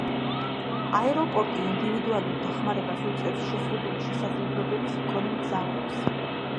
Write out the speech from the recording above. აეროპორტი ინდივიდუალურ დახმარებას უწევს შეზღუდული შესაძლებლობების მქონე მგზავრებს.